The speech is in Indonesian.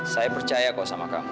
saya percaya kok sama kamu